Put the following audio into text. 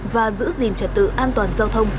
và giữ gìn trật tự an toàn giao thông